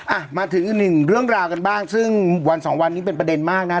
อ่ะมาถึงอีกหนึ่งเรื่องราวกันบ้างซึ่งวันสองวันนี้เป็นประเด็นมากนะฮะ